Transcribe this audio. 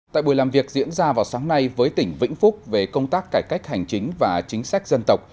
tại buổi làm việc diễn ra vào sáng nay với tỉnh vĩnh phúc về công tác cải cách hành chính và chính sách dân tộc